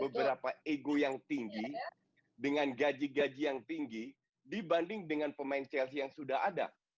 beberapa ego yang tinggi dengan gaji gaji yang tinggi dibanding dengan pemain chelsea yang sudah ada